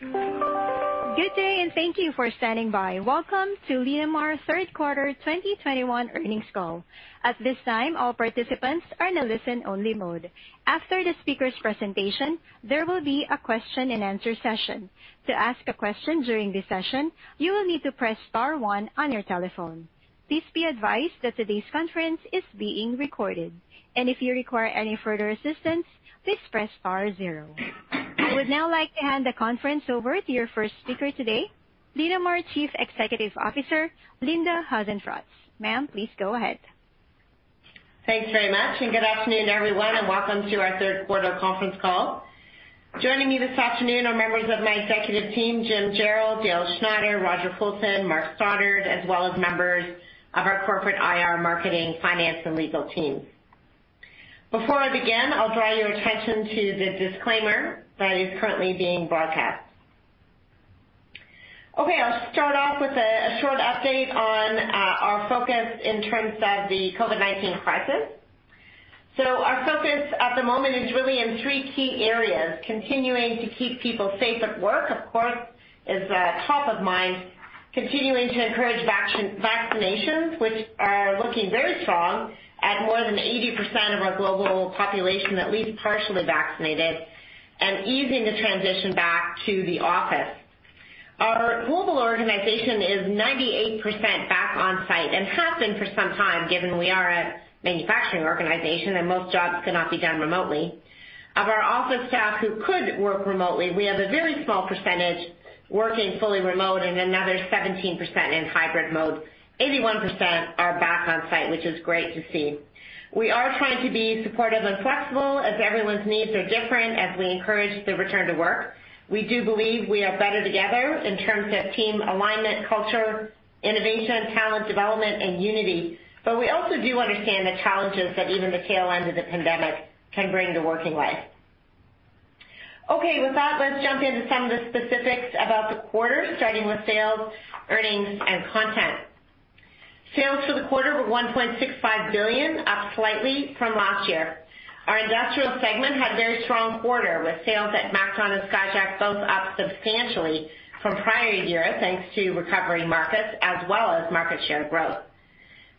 Good day, thank you for standing by. Welcome to Linamar third quarter 2021 earnings call. At this time, all participants are in a listen-only mode. After the speaker's presentation, there will be a question and answer session. To ask a question during this session, you will need to press star one on your telephone. Please be advised that today's conference is being recorded, and if you require any further assistance, please press star zero. I would now like to hand the conference over to your first speaker today, Linamar Chief Executive Officer, Linda Hasenfratz. Ma'am, please go ahead. Thanks very much, and good afternoon, everyone, and welcome to our third quarter conference call. Joining me this afternoon are members of my executive team, Jim Jarrell, Dale Schneider, Roger Fulton, Mark Stoddart, as well as members of our corporate IR marketing, finance, and legal teams. Before I begin, I'll draw your attention to the disclaimer that is currently being broadcast. Okay, I'll start off with a short update on our focus in terms of the COVID-19 crisis. Our focus at the moment is really in three key areas. Continuing to keep people safe at work, of course, is top of mind, continuing to encourage vaccinations, which are looking very strong at more than 80% of our global population, at least partially vaccinated and easing the transition back to the office. Our global organization is 98% back on-site and has been for some time, given we are a manufacturing organization and most jobs cannot be done remotely. Of our office staff who could work remotely, we have a very small percentage working fully remote and another 17% in hybrid mode. 81% are back on-site, which is great to see. We are trying to be supportive and flexible as everyone's needs are different as we encourage the return to work. We do believe we are better together in terms of team alignment, culture, innovation, talent development, and unity. We also do understand the challenges that even the tail end of the pandemic can bring to working life. Okay. With that, let's jump into some of the specifics about the quarter, starting with sales, earnings, and content. Sales for the quarter were 1.65 billion, up slightly from last year. Our industrial segment had very strong quarter, with sales at MacDon and Skyjack both up substantially from prior years, thanks to recovery markets as well as market share growth.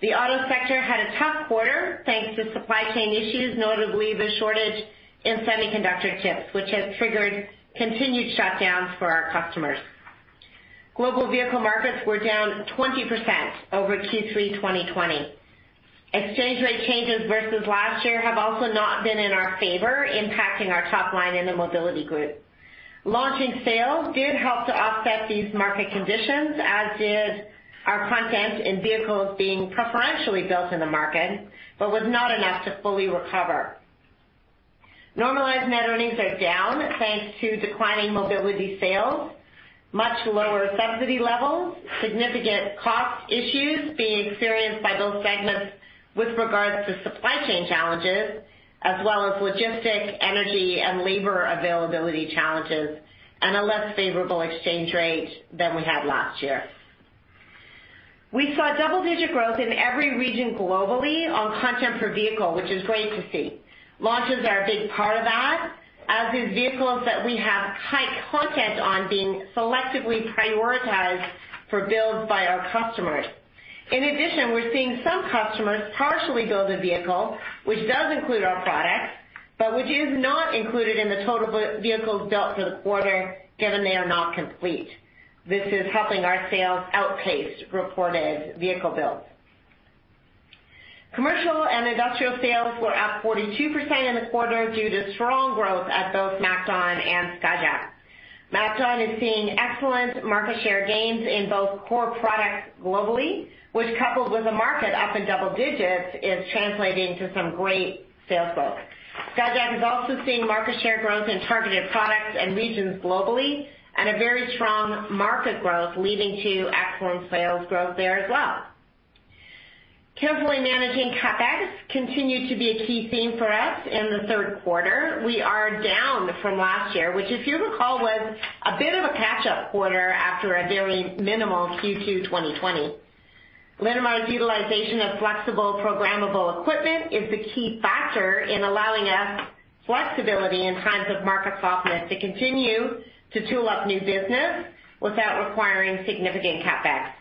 The auto sector had a tough quarter thanks to supply chain issues, notably the shortage in semiconductor chips, which has triggered continued shutdowns for our customers. Global vehicle markets were down 20% over Q3 2020. Exchange rate changes versus last year have also not been in our favor, impacting our top line in the mobility group. Launching sales did help to offset these market conditions, as did our content in vehicles being preferentially built in the market, but was not enough to fully recover. Normalized net earnings are down thanks to declining mobility sales, much lower subsidy levels, significant cost issues being experienced by those segments with regards to supply chain challenges as well as logistics, energy, and labor availability challenges, and a less favorable exchange rate than we had last year. We saw double-digit growth in every region globally on content per vehicle, which is great to see. Launches are a big part of that, as is vehicles that we have high content on being selectively prioritized for builds by our customers. In addition, we're seeing some customers partially build a vehicle which does include our products, but which is not included in the total vehicles built for the quarter, given they are not complete. This is helping our sales outpace reported vehicle builds. Commercial and industrial sales were up 42% in the quarter due to strong growth at both MacDon and Skyjack. MacDon is seeing excellent market share gains in both core products globally, which, coupled with the market up in double-digits, is translating to some great sales growth. Skyjack has also seen market share growth in targeted products and regions globally and a very strong market growth leading to excellent sales growth there as well. Carefully managing CapEx continued to be a key theme for us in the third quarter. We are down from last year, which if you recall, was a bit of a catch-up quarter after a very minimal Q2 2020. Linamar's utilization of flexible programmable equipment is the key factor in allowing us flexibility in times of market softness to continue to tool up new business without requiring significant CapEx.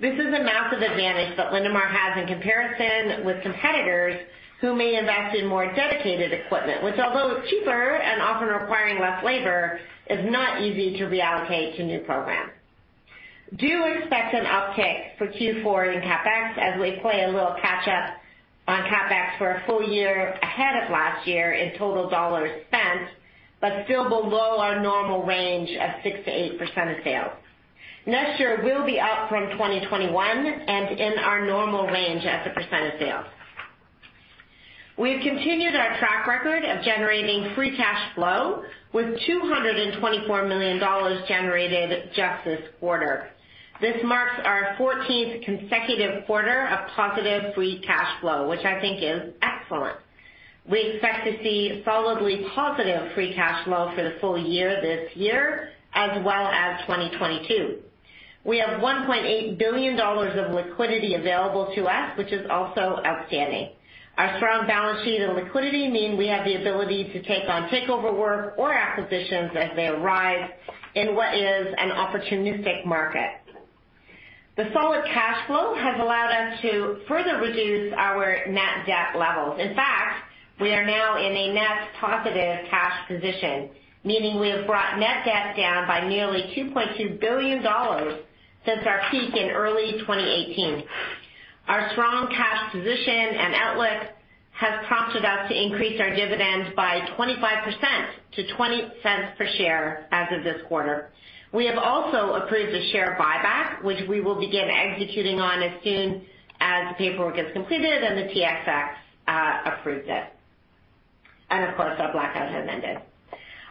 This is a massive advantage that Linamar has in comparison with competitors who may invest in more dedicated equipment, which although cheaper and often requiring less labor, is not easy to reallocate to new programs. Do expect an uptick for Q4 in CapEx as we play a little catch up on CapEx for a full year ahead of last year in total dollars spent, but still below our normal range of 6%-8% of sales. Next year will be up from 2021 and in our normal range as a percent of sales. We've continued our track record of generating free cash flow with 224 million dollars generated just this quarter. This marks our fourteenth consecutive quarter of positive free cash flow, which I think is excellent. We expect to see solidly positive free cash flow for the full year this year as well as 2022. We have 1.8 billion dollars of liquidity available to us, which is also outstanding. Our strong balance sheet and liquidity mean we have the ability to take on takeover work or acquisitions as they arise in what is an opportunistic market. The solid cash flow has allowed us to further reduce our net debt levels. In fact, we are now in a net positive cash position, meaning we have brought net debt down by nearly 2.2 billion dollars since our peak in early 2018. Our strong cash position and outlook has prompted us to increase our dividends by 25% to 0.20 per share as of this quarter. We have also approved a share buyback, which we will begin executing on as soon as the paperwork is completed and the TSX approves it, and of course, our blackout has ended.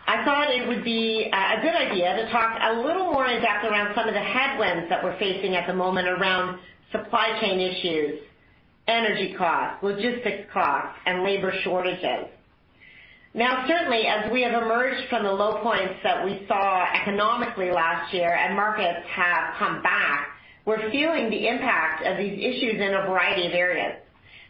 I thought it would be a good idea to talk a little more in depth around some of the headwinds that we're facing at the moment around supply chain issues, energy costs, logistics costs, and labor shortages. Now, certainly, as we have emerged from the low points that we saw economically last year and markets have come back, we're feeling the impact of these issues in a variety of areas.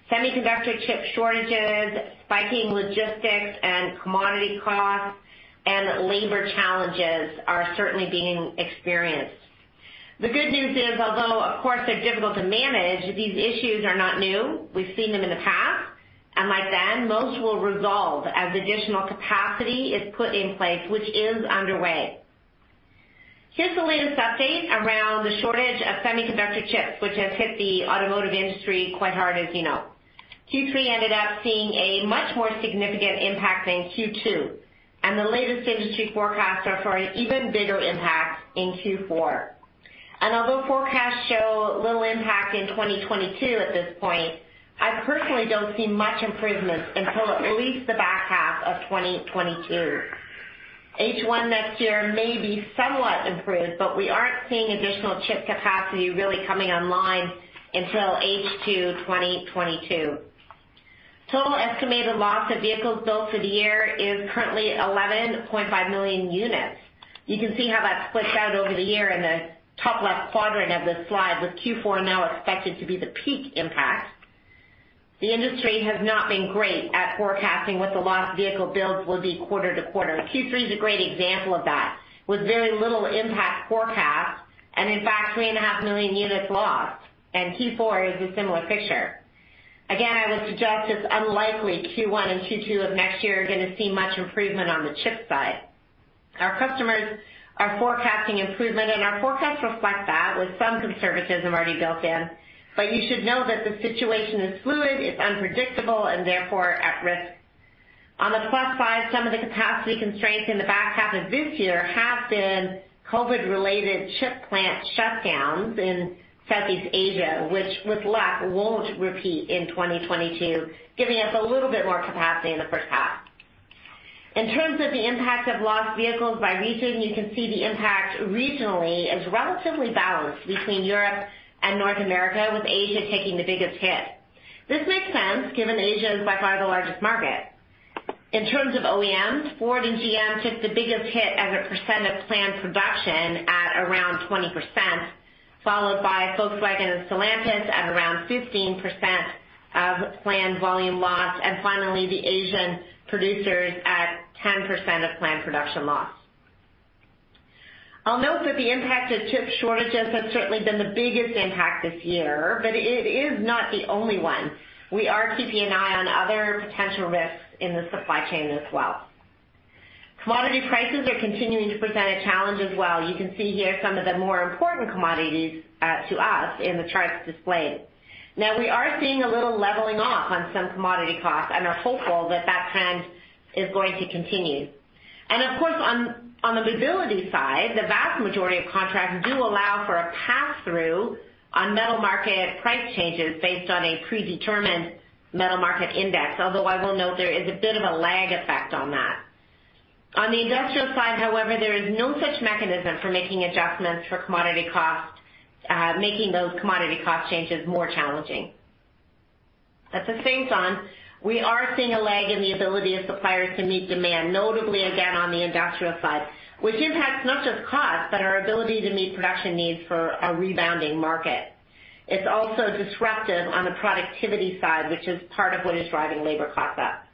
Semiconductor chip shortages, spiking logistics and commodity costs, and labor challenges are certainly being experienced. The good news is, although, of course, they're difficult to manage, these issues are not new. We've seen them in the past, and like then, most will resolve as additional capacity is put in place, which is underway. Here's the latest update around the shortage of semiconductor chips, which has hit the automotive industry quite hard, as you know. Q3 ended up seeing a much more significant impact than Q2, and the latest industry forecasts are for an even bigger impact in Q4. Although forecasts show little impact in 2022 at this point, I personally don't see much improvement until at least the back half of 2022. H1 next year may be somewhat improved, but we aren't seeing additional chip capacity really coming online until H2 2022. Total estimated loss of vehicles built for the year is currently 11.5 million units. You can see how that splits out over the year in the top left quadrant of this slide, with Q4 now expected to be the peak impact. The industry has not been great at forecasting what the lost vehicle builds will be quarter to quarter. Q3 is a great example of that, with very little impact forecast, and in fact, 3.5 million units lost. Q4 is a similar picture. Again, I would suggest it's unlikely Q1 and Q2 of next year are gonna see much improvement on the chip side. Our customers are forecasting improvement, and our forecasts reflect that with some conservatism already built in. You should know that the situation is fluid, it's unpredictable, and therefore at risk. On the plus side, some of the capacity constraints in the back half of this year have been COVID-related chip plant shutdowns in Southeast Asia, which with luck won't repeat in 2022, giving us a little bit more capacity in the first half. In terms of the impact of lost vehicles by region, you can see the impact regionally is relatively balanced between Europe and North America, with Asia taking the biggest hit. This makes sense, given Asia is by far the largest market. In terms of OEMs, Ford and GM took the biggest hit as a percent of planned production at around 20%, followed by Volkswagen and Stellantis at around 15% of planned volume loss, and finally, the Asian producers at 10% of planned production loss. I'll note that the impact of chip shortages has certainly been the biggest impact this year, but it is not the only one. We are keeping an eye on other potential risks in the supply chain as well. Commodity prices are continuing to present a challenge as well. You can see here some of the more important commodities to us in the charts displayed. Now, we are seeing a little leveling off on some commodity costs and are hopeful that that trend is going to continue. Of course, on the mobility side, the vast majority of contracts do allow for a pass-through on metal market price changes based on a predetermined metal market index. Although I will note there is a bit of a lag effect on that. On the industrial side, however, there is no such mechanism for making adjustments for commodity costs, making those commodity cost changes more challenging. At the same time, we are seeing a lag in the ability of suppliers to meet demand, notably again on the industrial side, which impacts not just cost, but our ability to meet production needs for a rebounding market. It's also disruptive on the productivity side, which is part of what is driving labor costs up.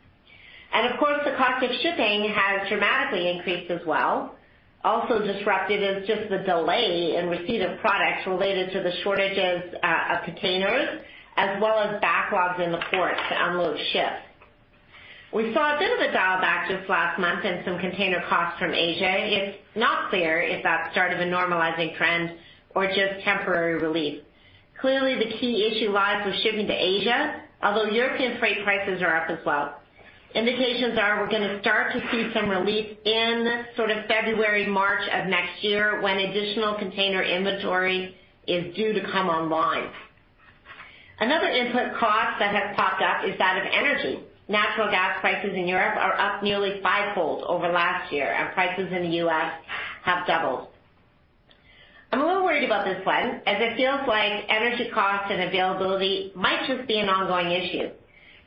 Of course, the cost of shipping has dramatically increased as well. Also disruptive is just the delay in receipt of products related to the shortages of containers, as well as backlogs in the ports to unload ships. We saw a bit of a dial back just last month in some container costs from Asia. It's not clear if that's the start of a normalizing trend or just temporary relief. Clearly, the key issue lies with shipping to Asia, although European freight prices are up as well. Indications are we're gonna start to see some relief in sort of February, March of next year when additional container inventory is due to come online. Another input cost that has popped up is that of energy. Natural gas prices in Europe are up nearly fivefold over last year, and prices in the U.S. have doubled. I'm a little worried about this one, as it feels like energy costs and availability might just be an ongoing issue,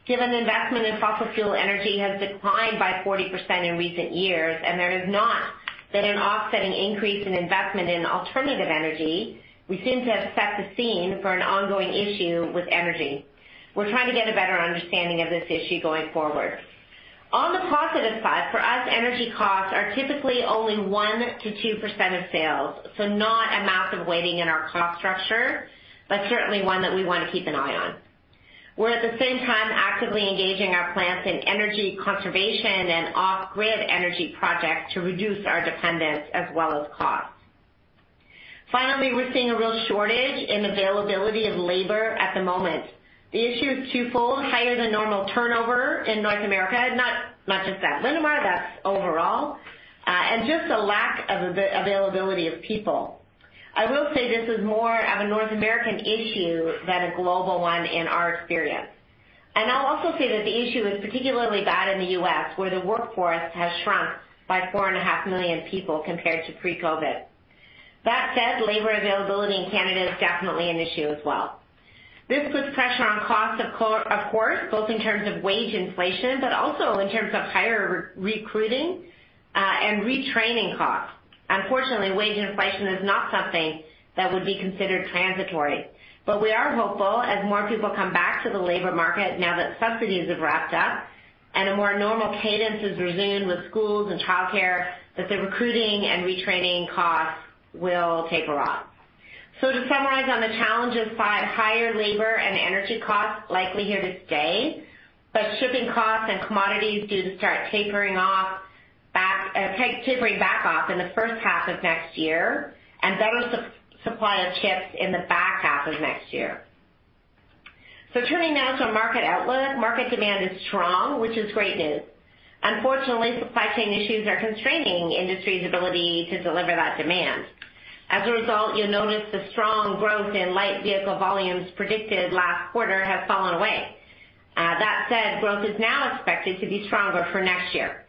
given investment in fossil fuel energy has declined by 40% in recent years, and there is not an offsetting increase in investment in alternative energy. We seem to have set the scene for an ongoing issue with energy. We're trying to get a better understanding of this issue going forward. On the positive side, for us, energy costs are typically only 1%-2% of sales, so not a massive weighting in our cost structure, but certainly one that we wanna keep an eye on. We're at the same time actively engaging our plants in energy conservation and off-grid energy projects to reduce our dependence as well as costs. Finally, we're seeing a real shortage in availability of labor at the moment. The issue is twofold. Higher than normal turnover in North America, not just at Linamar, that's overall, and just a lack of availability of people. I will say this is more of a North American issue than a global one in our experience. I'll also say that the issue is particularly bad in the U.S., where the workforce has shrunk by 4.5 million people compared to pre-COVID. That said, labor availability in Canada is definitely an issue as well. This puts pressure on costs, of course, both in terms of wage inflation, but also in terms of higher recruiting and retraining costs. Unfortunately, wage inflation is not something that would be considered transitory. We are hopeful, as more people come back to the labor market now that subsidies have wrapped up and a more normal cadence is resumed with schools and childcare, that the recruiting and retraining costs will taper off. To summarize on the challenges, five, higher labor and energy costs likely here to stay, but shipping costs and commodities due to start tapering off in the first half of next year and better supply of chips in the back half of next year. Turning now to our market outlook. Market demand is strong, which is great news. Unfortunately, supply chain issues are constraining industry's ability to deliver that demand. As a result, you'll notice the strong growth in light vehicle volumes predicted last quarter have fallen away. That said, growth is now expected to be stronger for next year.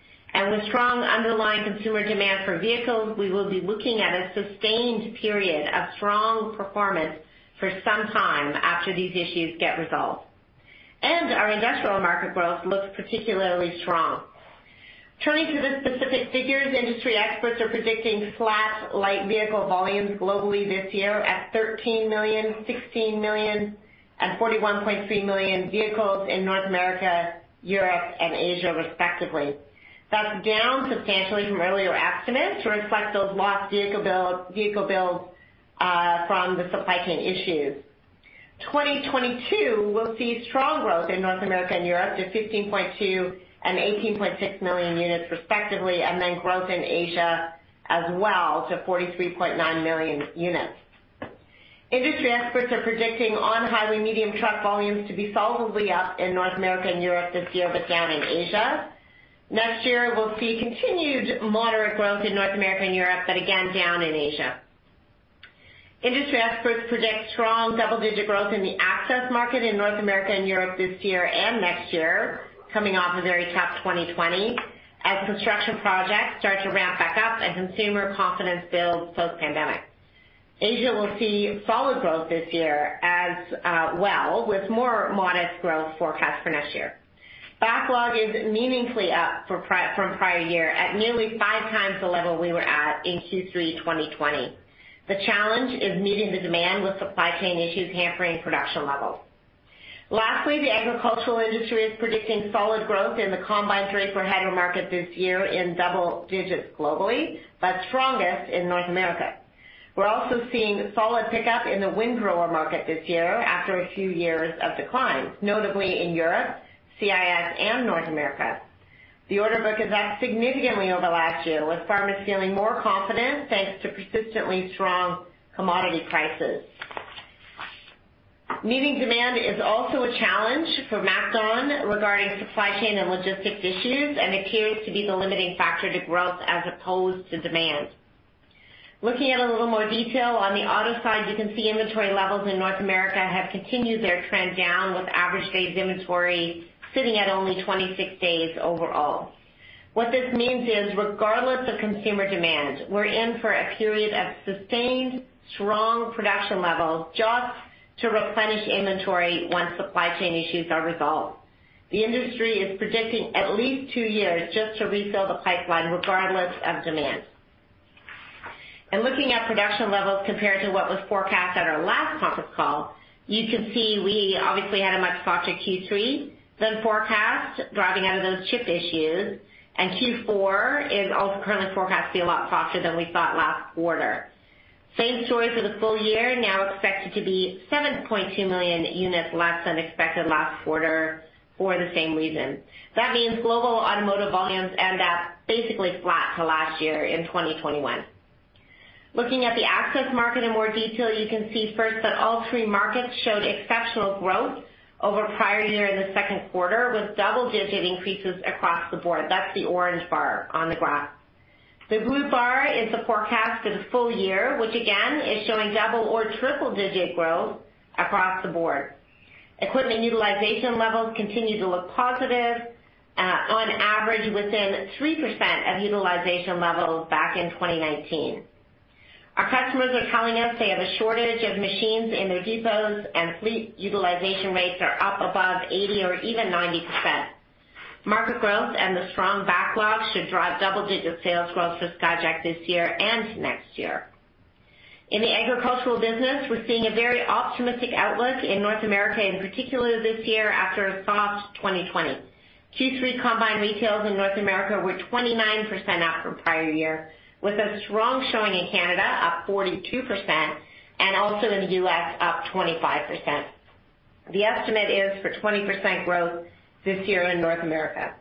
With strong underlying consumer demand for vehicles, we will be looking at a sustained period of strong performance for some time after these issues get resolved. Our industrial market growth looks particularly strong. Turning to the specific figures, industry experts are predicting flat light vehicle volumes globally this year at 13 million, 16 million, and 41.3 million vehicles in North America, Europe, and Asia respectively. That's down substantially from earlier estimates to reflect those lost vehicle builds from the supply chain issues. 2022 will see strong growth in North America and Europe to 15.2 million units and 18.6 million units respectively, and then growth in Asia as well to 43.9 million units. Industry experts are predicting heavy- and medium-duty truck volumes to be solidly up in North America and Europe this year, but down in Asia. Next year, we'll see continued moderate growth in North America and Europe, but again down in Asia. Industry experts predict strong double-digit growth in the access market in North America and Europe this year and next year, coming off a very tough 2020, as construction projects start to ramp back up and consumer confidence builds post-pandemic. Asia will see solid growth this year as, well, with more modest growth forecast for next year. Backlog is meaningfully up from prior year at nearly 5x the level we were at in Q3 2020. The challenge is meeting the demand with supply chain issues hampering production levels. Lastly, the agricultural industry is predicting solid growth in the combine draper header market this year in double-digits globally, but strongest in North America. We're also seeing solid pickup in the windrower market this year after a few years of decline, notably in Europe, CIS, and North America. The order book is up significantly over last year, with farmers feeling more confident thanks to persistently strong commodity prices. Meeting demand is also a challenge for MacDon regarding supply chain and logistics issues and appears to be the limiting factor to growth as opposed to demand. Looking at a little more detail on the auto side, you can see inventory levels in North America have continued their trend down with average days inventory sitting at only 26 days overall. What this means is, regardless of consumer demand, we're in for a period of sustained strong production levels just to replenish inventory once supply chain issues are resolved. The industry is predicting at least two years just to refill the pipeline regardless of demand. Looking at production levels compared to what was forecast at our last conference call, you can see we obviously had a much softer Q3 than forecast driving out of those chip issues, and Q4 is also currently forecast to be a lot softer than we thought last quarter. Same story for the full year, now expected to be 7.2 million units less than expected last quarter for the same reason. That means global automotive volumes end up basically flat to last year in 2021. Looking at the access market in more detail, you can see first that all three markets showed exceptional growth over prior year in the second quarter, with double-digit increases across the board. That's the orange bar on the graph. The blue bar is the forecast for the full year, which again is showing double or triple-digit growth across the board. Equipment utilization levels continue to look positive, on average within 3% of utilization levels back in 2019. Our customers are telling us they have a shortage of machines in their depots and fleet utilization rates are up above 80% or even 90%. Market growth and the strong backlog should drive double-digit sales growth for Skyjack this year and next year. In the agricultural business, we're seeing a very optimistic outlook in North America, in particular this year after a soft 2020. Q3 combined retail sales in North America were 29% up from prior year, with a strong showing in Canada up 42% and also in the U.S. up 25%. The estimate is for 20% growth this year in North America.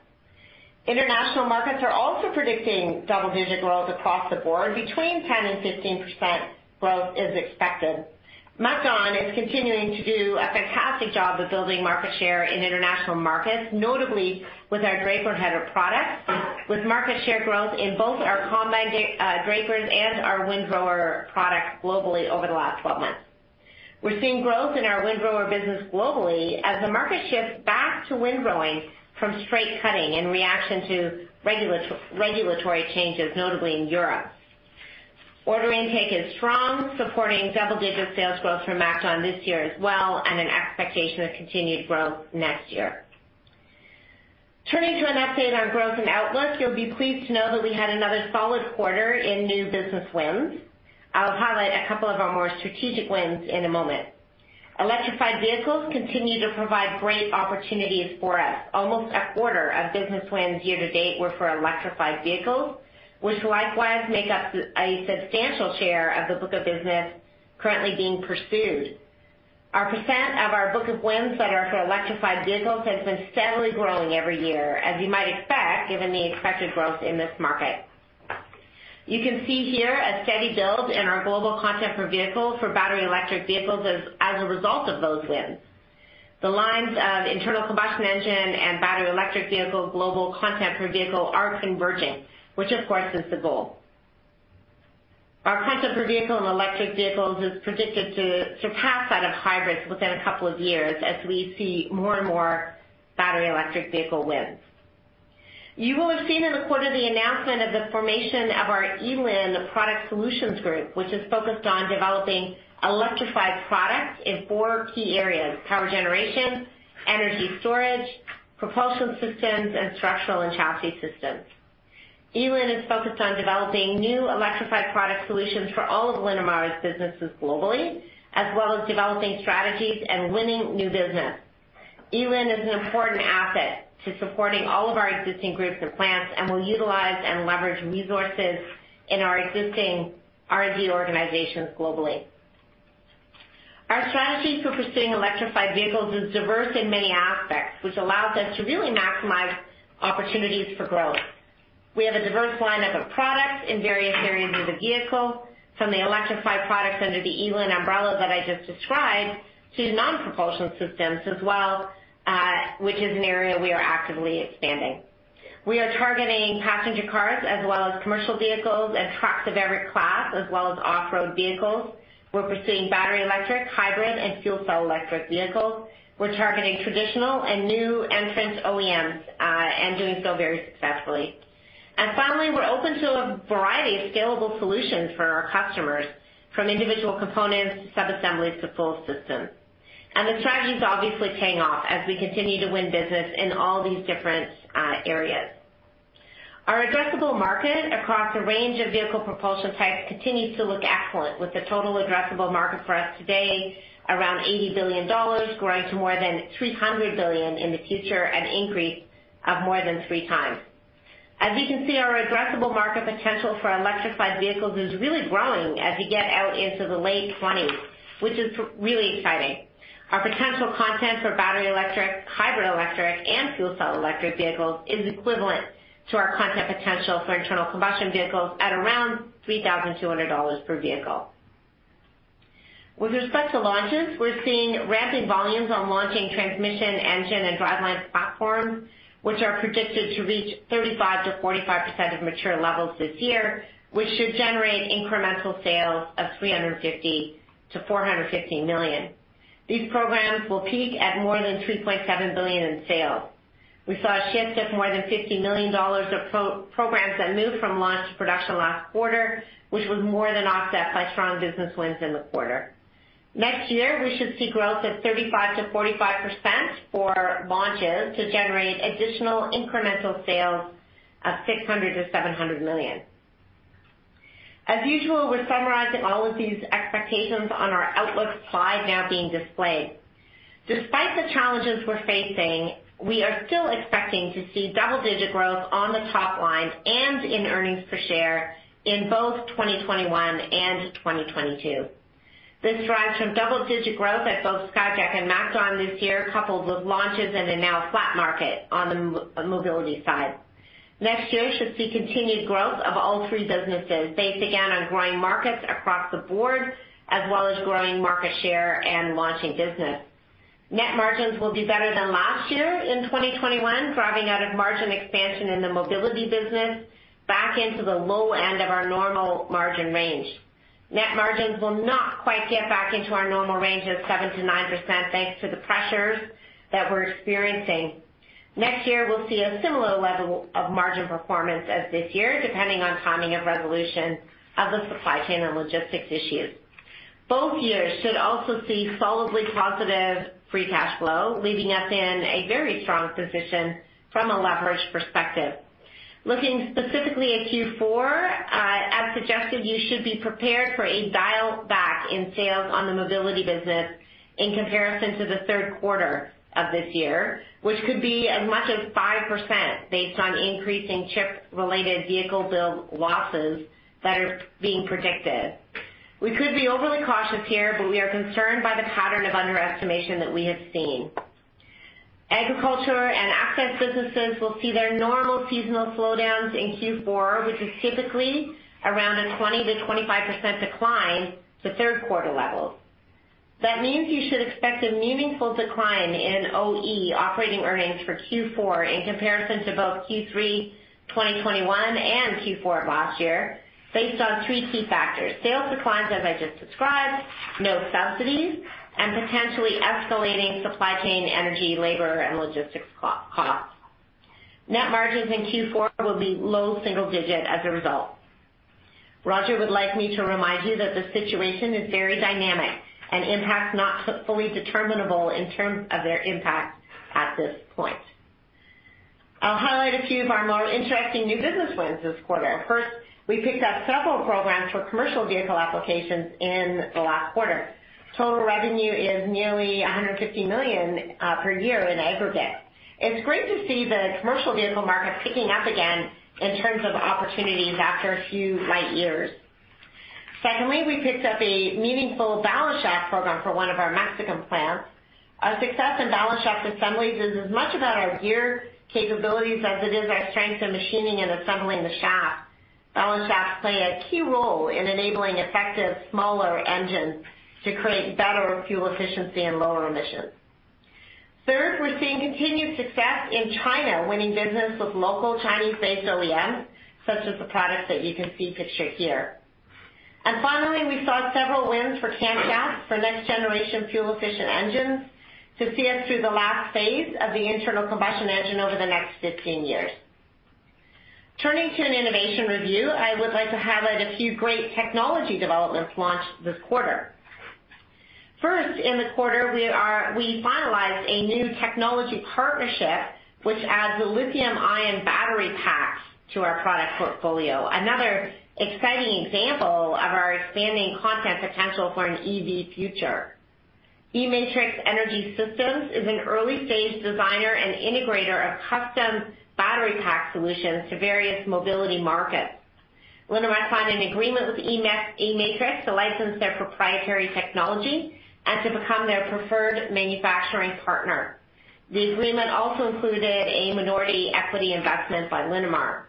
International markets are also predicting double-digit growth across the board. Between 10% and 15% growth is expected. MacDon is continuing to do a fantastic job of building market share in international markets, notably with our draper header products, with market share growth in both our combine drapers and our windrower products globally over the last 12 months. We're seeing growth in our windrower business globally as the market shifts back to windrowing from straight cutting in reaction to regulatory changes, notably in Europe. Order intake is strong, supporting double-digit sales growth from MacDon this year as well and an expectation of continued growth next year. Turning to an update on growth and outlook, you'll be pleased to know that we had another solid quarter in new business wins. I'll highlight a couple of our more strategic wins in a moment. Electrified vehicles continue to provide great opportunities for us. Almost a quarter of business wins year to date were for electrified vehicles, which likewise make up a substantial share of the book of business currently being pursued. Our percent of our book of wins that are for electrified vehicles has been steadily growing every year, as you might expect, given the expected growth in this market. You can see here a steady build in our global content per vehicle for battery electric vehicles as a result of those wins. The lines of internal combustion engine and battery electric vehicle global content per vehicle are converging, which of course is the goal. Our content per vehicle in electric vehicles is predicted to surpass that of hybrids within a couple of years as we see more and more battery electric vehicle wins. You will have seen in the quarter the announcement of the formation of our E-Lin, the product solutions group, which is focused on developing electrified products in four key areas, power generation, energy storage, propulsion systems, and structural and chassis systems. E-Lin is focused on developing new electrified product solutions for all of Linamar's businesses globally, as well as developing strategies and winning new business. E-Lin is an important asset to supporting all of our existing groups and plants and will utilize and leverage resources in our existing R&D organizations globally. Our strategies for pursuing electrified vehicles is diverse in many aspects, which allows us to really maximize opportunities for growth. We have a diverse lineup of products in various areas of the vehicle, from the electrified products under the E-Lin umbrella that I just described to non-propulsion systems as well, which is an area we are actively expanding. We are targeting passenger cars as well as commercial vehicles and trucks of every class, as well as off-road vehicles. We're pursuing battery, electric, hybrid, and fuel cell electric vehicles. We're targeting traditional and new entrants OEMs, and doing so very successfully. Finally, we're open to a variety of scalable solutions for our customers, from individual components to sub-assemblies to full systems. The strategy is obviously paying off as we continue to win business in all these different areas. Our addressable market across a range of vehicle propulsion types continues to look excellent, with the total addressable market for us today around $80 billion, growing to more than $300 billion in the future, an increase of more than 3x. As you can see, our addressable market potential for electrified vehicles is really growing as we get out into the late 20s, which is really exciting. Our potential content for battery, electric, hybrid electric, and fuel cell electric vehicles is equivalent to our content potential for internal combustion vehicles at around 3,200 dollars per vehicle. With respect to launches, we're seeing rapid volumes on launching transmission, engine, and driveline platforms, which are predicted to reach 35%-45% of mature levels this year, which should generate incremental sales of 350 million-450 million. These programs will peak at more than 3.7 billion in sales. We saw a shift of more than 50 million dollars of programs that moved from launch to production last quarter, which was more than offset by strong business wins in the quarter. Next year, we should see growth of 35%-45% for launches to generate additional incremental sales of 600 million-700 million. As usual, we're summarizing all of these expectations on our outlook slide now being displayed. Despite the challenges we're facing, we are still expecting to see double-digit growth on the top line and in earnings per share in both 2021 and 2022. This derives from double-digit growth at both Skyjack and MacDon this year, coupled with launches in a now flat market on the mobility side. Next year should see continued growth of all three businesses based again on growing markets across the board, as well as growing market share and launching business. Net margins will be better than last year in 2021, driving out of margin expansion in the mobility business back into the low end of our normal margin range. Net margins will not quite get back into our normal range of 7%-9%, thanks to the pressures that we're experiencing. Next year, we'll see a similar level of margin performance as this year, depending on timing of resolution of the supply chain and logistics issues. Both years should also see solidly positive free cash flow, leaving us in a very strong position from a leverage perspective. Looking specifically at Q4, as suggested, you should be prepared for a dial back in sales on the mobility business in comparison to the third quarter of this year, which could be as much as 5% based on increasing chip-related vehicle build losses that are being predicted. We could be overly cautious here, but we are concerned by the pattern of underestimation that we have seen. Agriculture and access businesses will see their normal seasonal slowdowns in Q4, which is typically around a 20%-25% decline to third quarter levels. That means you should expect a meaningful decline in OE operating earnings for Q4 in comparison to both Q3 2021 and Q4 last year based on three key factors, sales declines, as I just described, no subsidies, and potentially escalating supply chain energy, labor, and logistics costs. Net margins in Q4 will be low single-digit as a result. Roger would like me to remind you that the situation is very dynamic and impact not fully determinable in terms of their impact at this point. I'll highlight a few of our more interesting new business wins this quarter. First, we picked up several programs for commercial vehicle applications in the last quarter. Total revenue is nearly 150 million per year in aggregate. It's great to see the commercial vehicle market picking up again in terms of opportunities after a few lean years. Secondly, we picked up a meaningful balance shaft program for one of our Mexican plants. Our success in balance shaft assemblies is as much about our gear capabilities as it is our strength in machining and assembling the shaft. Balance shafts play a key role in enabling effective smaller engines to create better fuel efficiency and lower emissions. Third, we're seeing continued success in China, winning business with local Chinese-based OEMs, such as the product that you can see pictured here. Finally, we saw several wins for Camcast for next-generation fuel-efficient engines to see us through the last phase of the internal combustion engine over the next 15 years. Turning to an innovation review, I would like to highlight a few great technology developments launched this quarter. First, in the quarter we finalized a new technology partnership which adds lithium-ion battery packs to our product portfolio. Another exciting example of our expanding content potential for an EV future. eMatrix Energy Systems is an early-stage designer and integrator of custom battery pack solutions to various mobility markets. Linamar signed an agreement with eMatrix to license their proprietary technology and to become their preferred manufacturing partner. The agreement also included a minority equity investment by Linamar.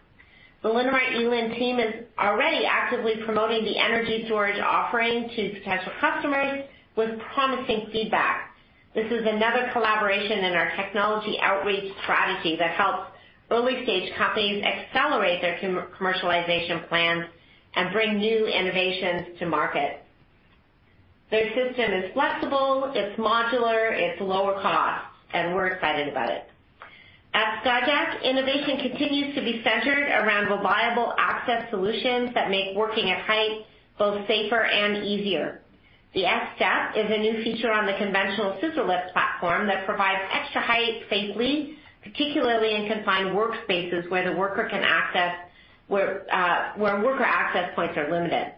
The Linamar eLIN team is already actively promoting the energy storage offering to potential customers with promising feedback. This is another collaboration in our technology outreach strategy that helps early-stage companies accelerate their commercialization plans and bring new innovations to market. Their system is flexible, it's modular, it's lower cost, and we're excited about it. At Skyjack, innovation continues to be centered around reliable access solutions that make working at height both safer and easier. The X-Step is a new feature on the conventional scissor lift platform that provides extra height safely, particularly in confined workspaces where worker access points are limited.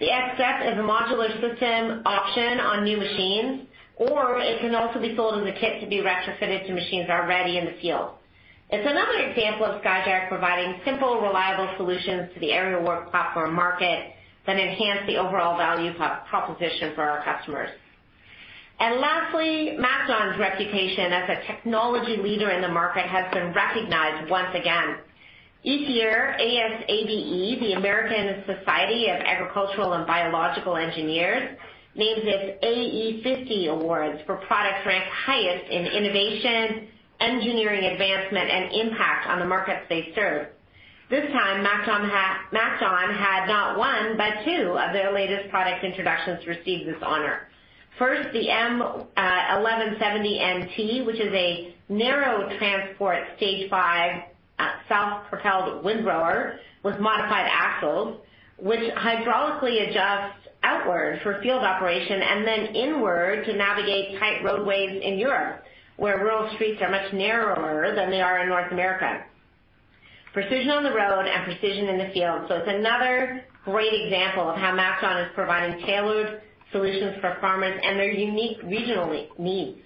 The X-Step is a modular system option on new machines, or it can also be sold in the kit to be retrofitted to machines already in the field. It's another example of Skyjack providing simple, reliable solutions to the aerial work platform market that enhance the overall value proposition for our customers. Lastly, MacDon's reputation as a technology leader in the market has been recognized once again. Each year, ASABE, the American Society of Agricultural and Biological Engineers, names its AE50 Awards for products ranked highest in innovation, engineering advancement, and impact on the markets they serve. This time, MacDon had not one, but two of their latest product introductions receive this honor. First, the M1170 NT, which is a narrow transport Stage V self-propelled windrower with modified axles, which hydraulically adjusts outward for field operation and then inward to navigate tight roadways in Europe, where rural streets are much narrower than they are in North America. Precision on the road and precision in the field. It's another great example of how MacDon is providing tailored solutions for farmers and their unique regional needs.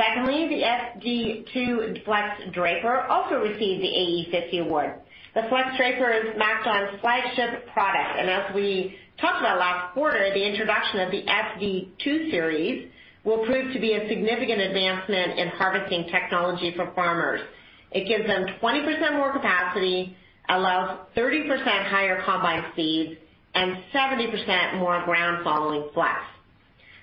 Secondly, the FD2 FlexDraper also received the AE50 award. The FlexDraper is MacDon's flagship product, and as we talked about last quarter, the introduction of the FD2 series will prove to be a significant advancement in harvesting technology for farmers. It gives them 20% more capacity, allows 30% higher combine speeds, and 70% more ground following flex.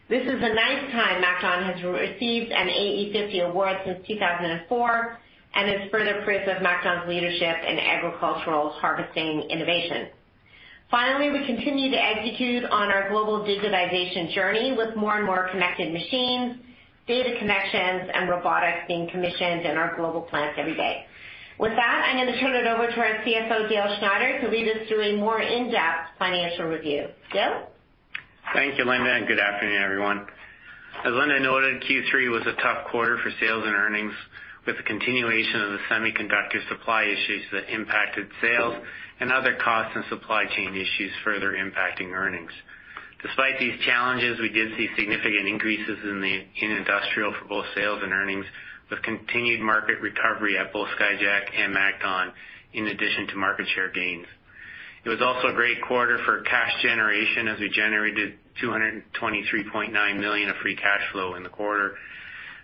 This is the ninth time MacDon has received an AE50 award since 2004 and is further proof of MacDon's leadership in agricultural harvesting innovation. Finally, we continue to execute on our global digitization journey with more and more connected machines, data connections, and robotics being commissioned in our global plants every day. With that, I'm going to turn it over to our CFO, Dale Schneider, to lead us through a more in-depth financial review. Dale? Thank you, Linda, and good afternoon, everyone. As Linda noted, Q3 was a tough quarter for sales and earnings, with the continuation of the semiconductor supply issues that impacted sales and other costs and supply chain issues further impacting earnings. Despite these challenges, we did see significant increases in industrial for both sales and earnings, with continued market recovery at both Skyjack and MacDon, in addition to market share gains. It was also a great quarter for cash generation, as we generated 223.9 million of free cash flow in the quarter.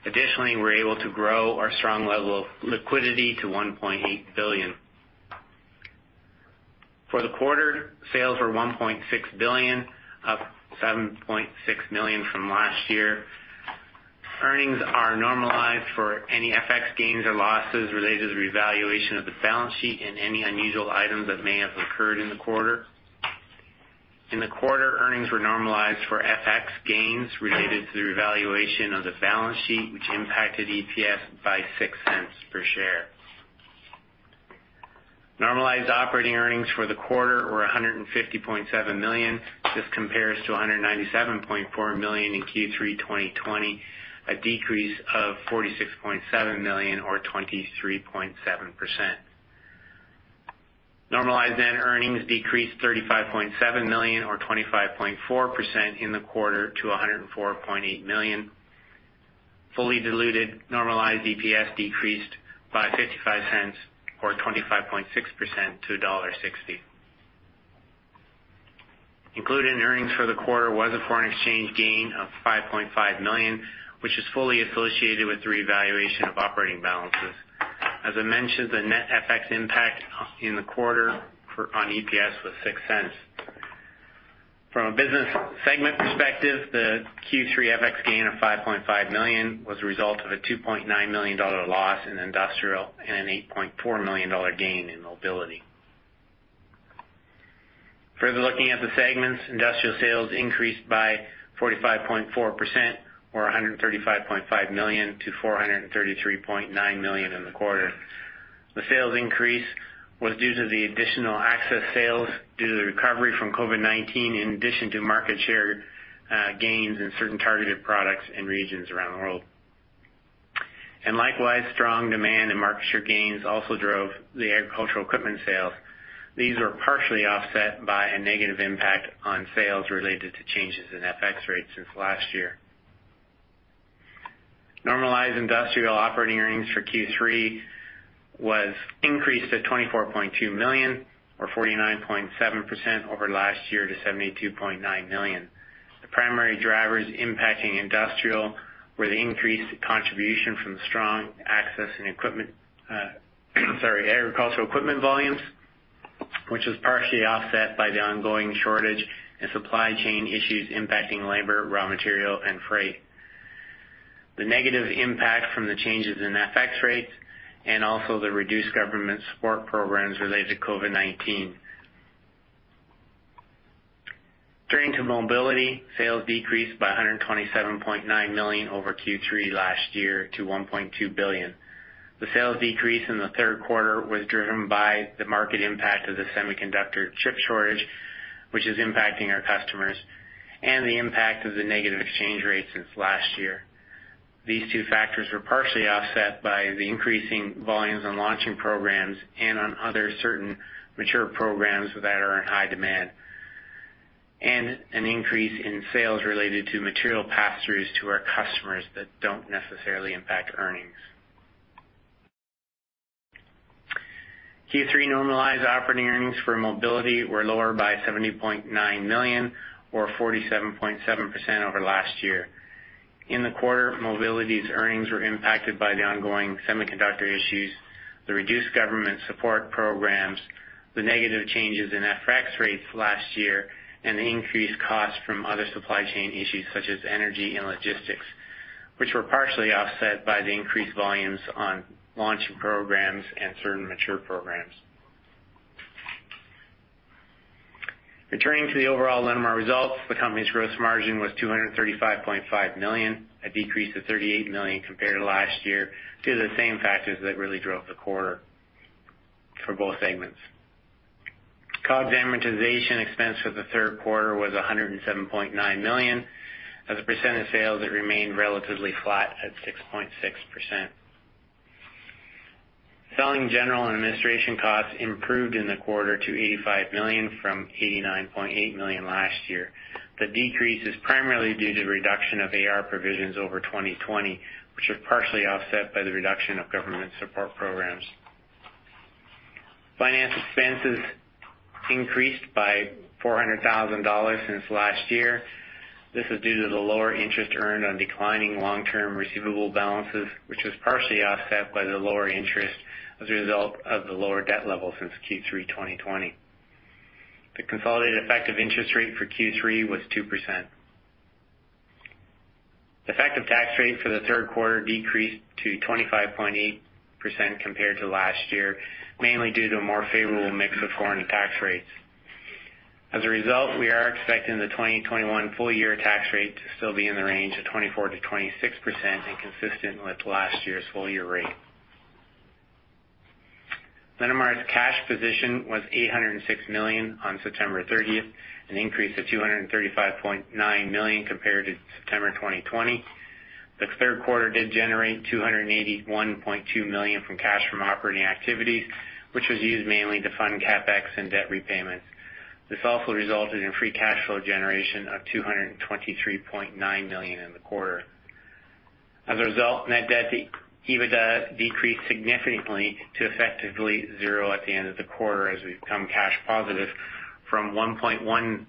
Additionally, we were able to grow our strong level of liquidity to 1.8 billion. For the quarter, sales were 1.6 billion, up 7.6 million from last year. Earnings are normalized for any FX gains or losses related to the revaluation of the balance sheet and any unusual items that may have occurred in the quarter. In the quarter, earnings were normalized for FX gains related to the revaluation of the balance sheet, which impacted EPS by 0.06 per share. Normalized operating earnings for the quarter were 150.7 million. This compares to 197.4 million in Q3 2020, a decrease of 46.7 million or 23.7%. Normalized net earnings decreased 35.7 million or 25.4% in the quarter to 104.8 million. Fully diluted normalized EPS decreased by 0.55 or 25.6% to CAD 1.60. Included in earnings for the quarter was a foreign exchange gain of 5.5 million, which is fully associated with the revaluation of operating balances. As I mentioned, the net FX impact in the quarter on EPS was 0.06. From a business segment perspective, the Q3 FX gain of 5.5 million was a result of a 2.9 million dollar loss in Industrial and a 8.4 million dollar gain in Mobility. Further looking at the segments, Industrial sales increased by 45.4% or 135.5 million-433.9 million in the quarter. The sales increase was due to the additional access sales due to the recovery from COVID-19, in addition to market share gains in certain targeted products and regions around the world. Likewise, strong demand and market share gains also drove the agricultural equipment sales. These were partially offset by a negative impact on sales related to changes in FX rates since last year. Normalized industrial operating earnings for Q3 was increased to 24.2 million or 49.7% over last year to 72.9 million. The primary drivers impacting industrial were the increased contribution from the strong agricultural equipment volumes, which was partially offset by the ongoing shortage and supply chain issues impacting labor, raw material, and freight, the negative impact from the changes in FX rates and also the reduced government support programs related to COVID-19. Turning to mobility, sales decreased by 127.9 million over Q3 last year to 1.2 billion. The sales decrease in the third quarter was driven by the market impact of the semiconductor chip shortage, which is impacting our customers, and the impact of the negative exchange rate since last year. These two factors were partially offset by the increasing volumes on launching programs and on other certain mature programs that are in high demand, and an increase in sales related to material pass-throughs to our customers that don't necessarily impact earnings. Q3 normalized operating earnings for Mobility were lower by 70.9 million or 47.7% over last year. In the quarter, Mobility's earnings were impacted by the ongoing semiconductor issues, the reduced government support programs, the negative changes in FX rates last year, and the increased costs from other supply chain issues such as energy and logistics, which were partially offset by the increased volumes on launching programs and certain mature programs. Returning to the overall Linamar results, the company's gross margin was 235.5 million, a decrease of 38 million compared to last year due to the same factors that really drove the quarter for both segments. COGS amortization expense for the third quarter was 107.9 million. As a percent of sales, it remained relatively flat at 6.6%. Selling, general, and administration costs improved in the quarter to 85 million from 89.8 million last year. The decrease is primarily due to reduction of AR provisions over 2020, which are partially offset by the reduction of government support programs. Finance expenses increased by 400,000 dollars since last year. This is due to the lower interest earned on declining long-term receivable balances, which was partially offset by the lower interest as a result of the lower debt level since Q3 2020. The consolidated effective interest rate for Q3 was 2%. The effective tax rate for the third quarter decreased to 25.8% compared to last year, mainly due to a more favorable mix of foreign tax rates. As a result, we are expecting the 2021 full year tax rate to still be in the range of 24%-26% and consistent with last year's full year rate. Linamar's cash position was 806 million on September 30th, an increase of 235.9 million compared to September 2020. The third quarter did generate 281.2 million from cash from operating activities, which was used mainly to fund CapEx and debt repayments. This also resulted in free cash flow generation of 223.9 million in the quarter. As a result, net debt to EBITDA decreased significantly to effectively zero at the end of the quarter as we've become cash positive from 1.1x to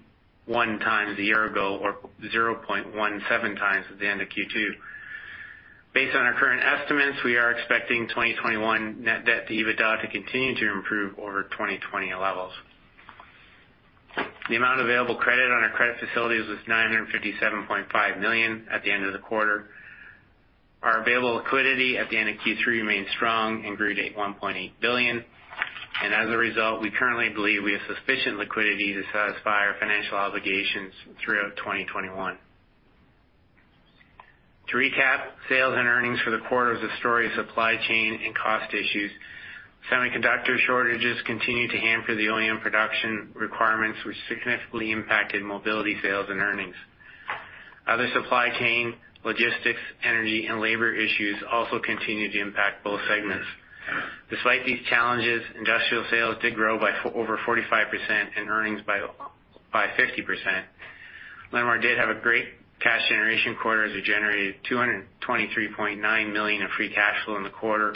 1x a year ago or 0.17x at the end of Q2. Based on our current estimates, we are expecting 2021 net debt to EBITDA to continue to improve over 2020 levels. The amount of available credit on our credit facilities was 957.5 million at the end of the quarter. Our available liquidity at the end of Q3 remains strong and grew to 1.8 billion. As a result, we currently believe we have sufficient liquidity to satisfy our financial obligations throughout 2021. To recap, sales and earnings for the quarter was a story of supply chain and cost issues. Semiconductor shortages continued to hamper the OEM production requirements, which significantly impacted mobility sales and earnings. Other supply chain, logistics, energy, and labor issues also continued to impact both segments. Despite these challenges, industrial sales did grow by over 45% and earnings by 50%. Linamar did have a great cash generation quarter as it generated CAD 223.9 million in free cash flow in the quarter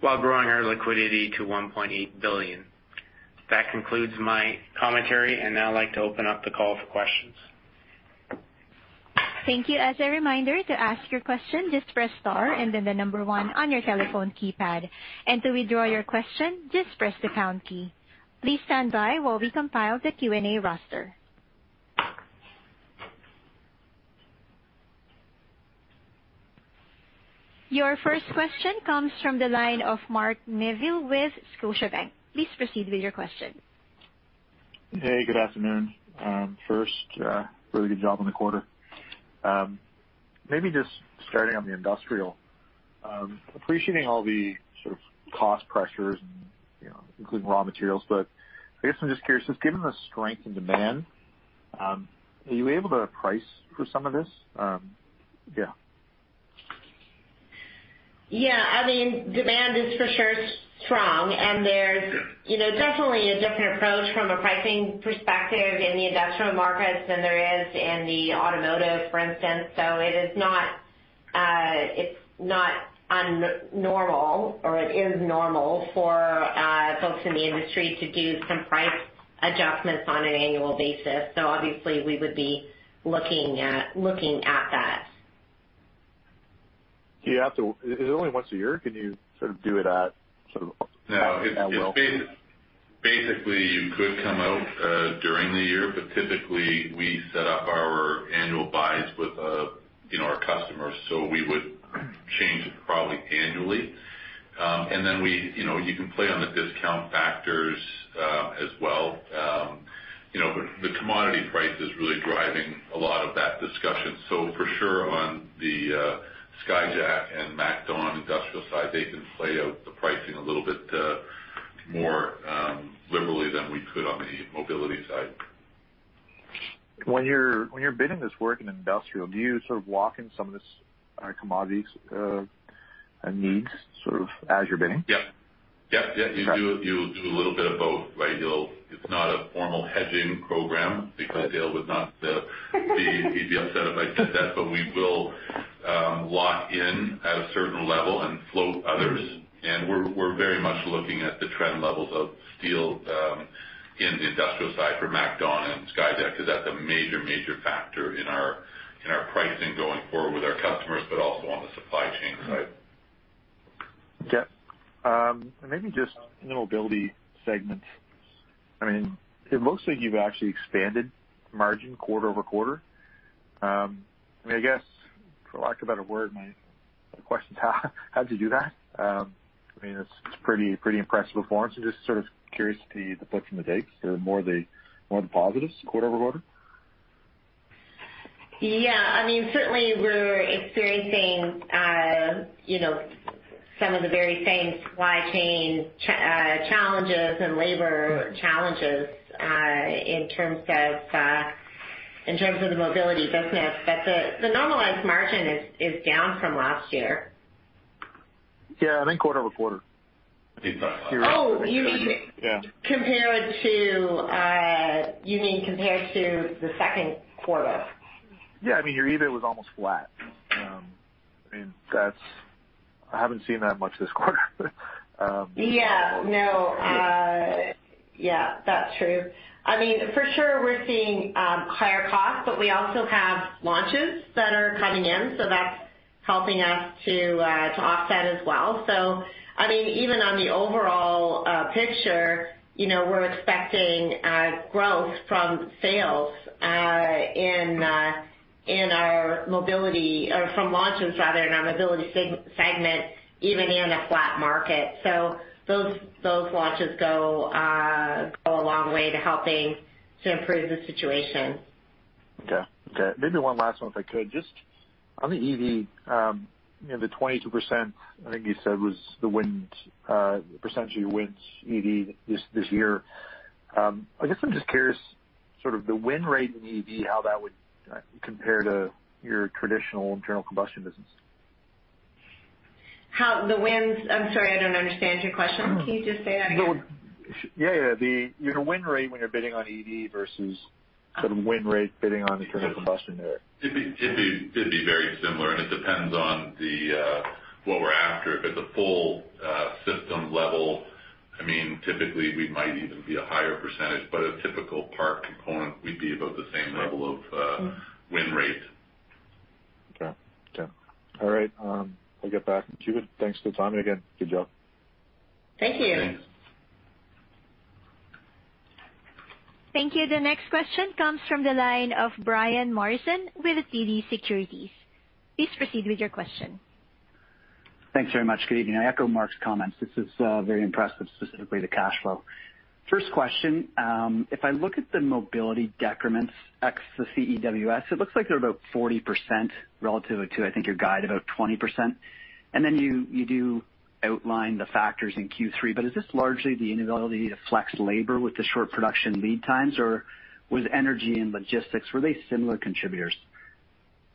while growing our liquidity to CAD 1.8 billion. That concludes my commentary, and now I'd like to open up the call for questions. Thank you. As a reminder, to ask your question, just press star and then 1 on your telephone keypad. To withdraw your question, just press the pound key. Please stand by while we compile the Q&A roster. Your first question comes from the line of Mark Neville with Scotiabank. Please proceed with your question. Hey, good afternoon. First, really good job on the quarter. Maybe just starting on the industrial. Appreciating all the sort of cost pressures and, you know, including raw materials, but I guess I'm just curious, just given the strength in demand, are you able to price for some of this? Yeah. Yeah, I mean, demand is for sure strong. There's- Yeah. You know, definitely a different approach from a pricing perspective in the industrial markets than there is in the automotive, for instance. It is not abnormal, or it is normal, for folks in the industry to do some price adjustments on an annual basis. Obviously we would be looking at that. Is it only once a year? Can you sort of do it at sort of? No, it's basically, you could come out during the year, but typically we set up our annual buys with, you know, our customers, so we would change it probably annually. Then we, you know, you can play on the discount factors as well. You know, the commodity price is really driving a lot of that discussion. For sure, on the Skyjack and MacDon industrial side, they can play out the pricing a little bit more liberally than we could on the mobility side. When you're bidding this work in industrial, do you sort of walk in some of this, commodities, needs sort of as you're bidding? Yeah. Yeah, yeah. Okay. You do a little bit of both, right? It's not a formal hedging program because Dale would not be, he'd be upset if I said that, but we will lock in at a certain level and float others. We're very much looking at the trend levels of steel in the industrial side for MacDon and Skyjack, 'cause that's a major factor in our pricing going forward with our customers, but also on the supply chain side. Okay. Maybe just in the mobility segment. I mean, it looks like you've actually expanded margin quarter-over-quarter. I mean, I guess, for lack of a better word, my question is how'd you do that? I mean, it's pretty impressive performance. Just sort of curious to the bookings and the details. They're more the positives quarter-over-quarter. Yeah. I mean, certainly we're experiencing, you know, some of the very same supply chain challenges and labor challenges in terms of the mobility business. But the normalized margin is down from last year. Yeah, I mean, quarter-over-quarter. He's talking about last quarter. Oh, you mean- Yeah. ...compared to, you mean compared to the second quarter? Yeah. I mean, your EBIT was almost flat. I mean, that's. I haven't seen that much this quarter. Yeah. No. Yeah, that's true. I mean, for sure we're seeing higher costs, but we also have launches that are coming in, so that's helping us to offset as well. I mean, even on the overall picture, you know, we're expecting growth from sales in our mobility or from launches rather in our mobility segment, even in a flat market. Those launches go a long way to helping to improve the situation. Maybe one last one if I could. Just on the EV, the 22%, I think you said was the wins percentage of your wins EV this year. I guess I'm just curious, sort of the win rate in EV, how that would compare to your traditional internal combustion business. I'm sorry, I don't understand your question. Can you just say that again? No. Yeah, yeah. You know, the win rate when you're bidding on EV versus sort of win rate bidding on internal combustion there. It'd be very similar, and it depends on what we're after, but the full system level, I mean, typically we might even be a higher percentage, but a typical part component, we'd be about the same level of- Okay. ...win rate. Okay. All right. I'll get back to you. Thanks for the time again. Good job. Thank you. Thanks. Thank you. The next question comes from the line of Brian Morrison with TD Securities. Please proceed with your question. Thanks very much. Good evening. I echo Mark's comments. This is very impressive, specifically the cash flow. First question, if I look at the mobility decrements ex the CEWS, it looks like they're about 40% relative to, I think, your guide about 20%. You do outline the factors in Q3, but is this largely the inability to flex labor with the short production lead times, or was energy and logistics, were they similar contributors?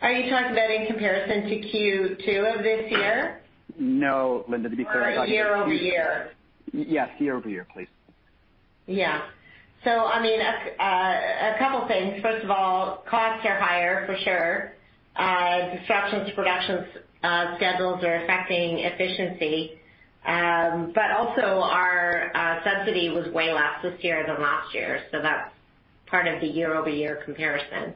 Are you talking about in comparison to Q2 of this year? No, Linda, to be clear. Year-over-year? Yes, year-over-year, please. Yeah. I mean, a couple things. First of all, costs are higher for sure. Disruptions to production schedules are affecting efficiency. Also, our subsidy was way less this year than last year. That's part of the year-over-year comparison.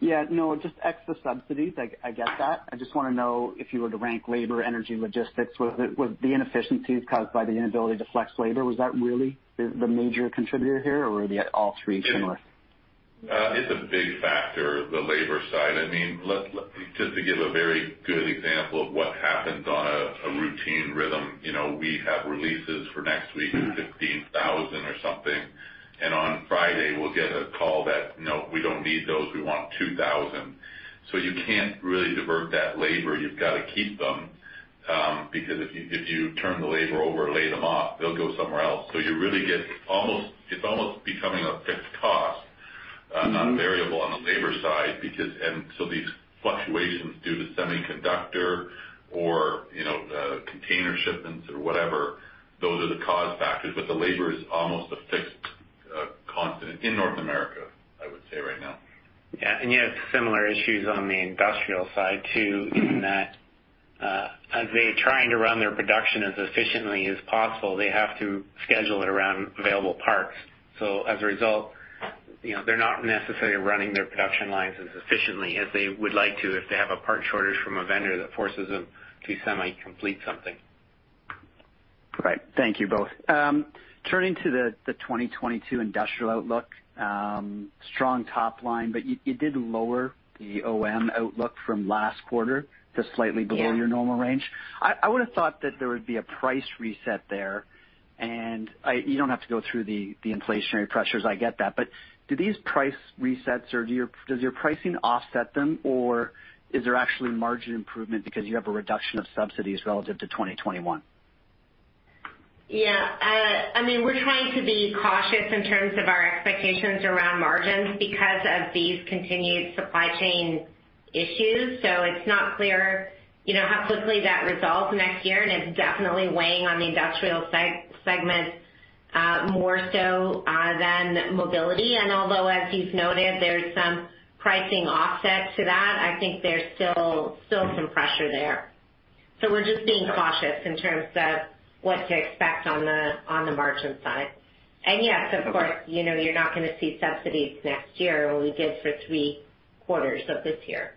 Yeah. No, just ex the subsidies. I get that. I just wanna know if you were to rank labor, energy, logistics, was the inefficiencies caused by the inability to flex labor? Was that really the major contributor here, or were they all three similar? It's a big factor, the labor side. I mean, just to give a very good example of what happens on a routine rhythm, you know, we have releases for next week of 16,000 or something, and on Friday we'll get a call that, "No, we don't need those. We want 2,000." So you can't really divert that labor. You've gotta keep them, because if you turn the labor over, lay them off, they'll go somewhere else. So you really get almost. It's almost becoming a fixed cost. Not variable on the labor side because these fluctuations due to semiconductor or, you know, container shipments or whatever, those are the cause factors, but the labor is almost a fixed constant in North America, I would say right now. Yeah. You have similar issues on the industrial side too, in that, as they're trying to run their production as efficiently as possible, they have to schedule it around available parts. As a result, you know, they're not necessarily running their production lines as efficiently as they would like to if they have a part shortage from a vendor that forces them to semi-complete something. Right. Thank you both. Turning to the 2022 industrial outlook, strong top line, but you did lower the OM outlook from last quarter to slightly below- Yeah. Your normal range. I would've thought that there would be a price reset there. You don't have to go through the inflationary pressures, I get that. But do these price resets or does your pricing offset them, or is there actually margin improvement because you have a reduction of subsidies relative to 2021? Yeah. I mean, we're trying to be cautious in terms of our expectations around margins because of these continued supply chain issues. It's not clear, you know, how quickly that resolves next year, and it's definitely weighing on the industrial segment more so than mobility. Although as you've noted, there's some pricing offset to that, I think there's still some pressure there. We're just being cautious in terms of what to expect on the margin side. Yes, of course. Okay. You know, you're not gonna see subsidies next year when we did for three quarters of this year.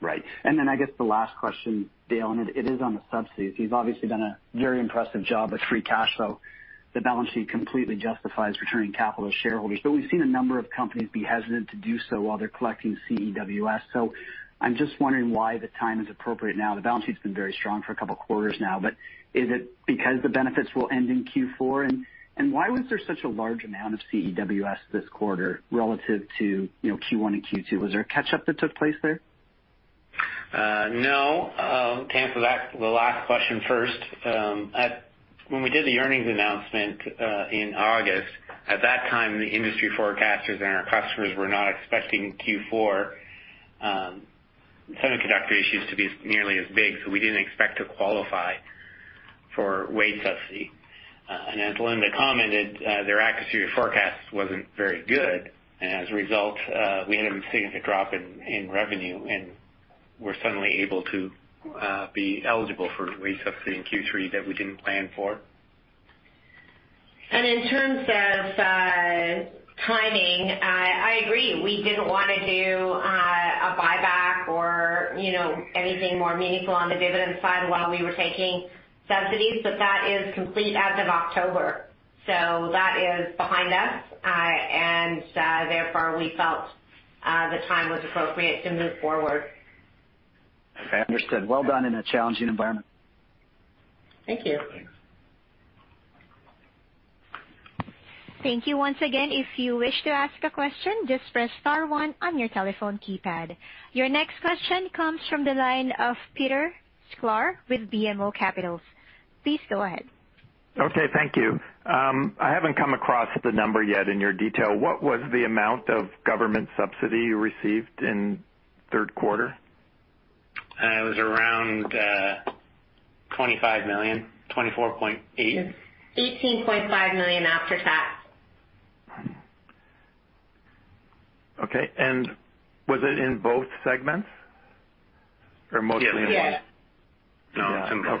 Right. I guess the last question, Dale, and it is on the subsidies. You've obviously done a very impressive job with free cash flow. The balance sheet completely justifies returning capital to shareholders, but we've seen a number of companies be hesitant to do so while they're collecting CEWS. I'm just wondering why the time is appropriate now. The balance sheet's been very strong for a couple quarters now, but is it because the benefits will end in Q4? Why was there such a large amount of CEWS this quarter relative to, you know, Q1 and Q2? Was there a catch-up that took place there? No. To answer that, the last question first. When we did the earnings announcement in August, at that time, the industry forecasters and our customers were not expecting Q4 semiconductor issues to be nearly as big, so we didn't expect to qualify for wage subsidy. As Linda commented, their accuracy of forecast wasn't very good, and as a result, we had a significant drop in revenue and were suddenly able to be eligible for wage subsidy in Q3 that we didn't plan for. In terms of timing, I agree, we didn't wanna do a buyback or, you know, anything more meaningful on the dividend side while we were taking subsidies, but that is complete as of October. That is behind us. Therefore, we felt the time was appropriate to move forward. Understood. Well done in a challenging environment. Thank you. Thanks. Thank you. Once again, if you wish to ask a question, just press star one on your telephone keypad. Your next question comes from the line of Peter Sklar with BMO Capital. Please go ahead. Okay, thank you. I haven't come across the number yet in your detail. What was the amount of government subsidy you received in third quarter? It was around 25 million, 24.8 million. 18.5 million after tax. Okay. Was it in both segments or mostly in one? Yes. Yes. No, in both.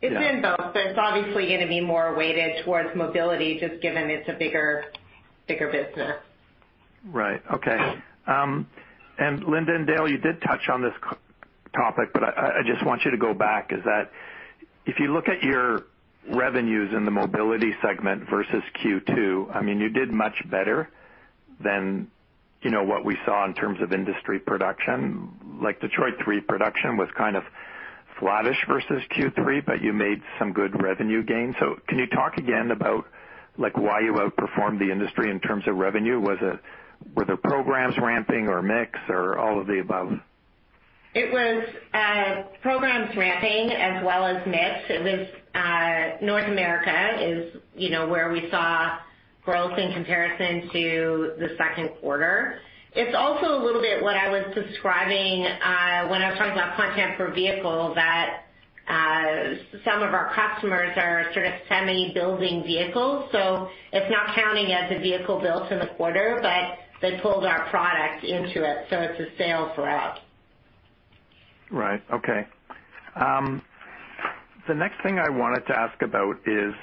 It's in both. It's obviously gonna be more weighted towards mobility, just given it's a bigger business. Right. Okay. Linda and Dale, you did touch on this topic, but I just want you to go back is that if you look at your revenues in the mobility segment versus Q2, I mean, you did much better than, you know, what we saw in terms of industry production. Like Detroit 3 production was kind of flattish versus Q3, but you made some good revenue gains. Can you talk again about like why you outperformed the industry in terms of revenue? Were there programs ramping or mix or all of the above? It was programs ramping as well as mix. It was North America is, you know, where we saw growth in comparison to the second quarter. It's also a little bit what I was describing when I was talking about content per vehicle that some of our customers are sort of semi-building vehicles, so it's not counting as a vehicle built in the quarter, but they pulled our product into it, so it's a sale for us. Right. Okay. The next thing I wanted to ask about is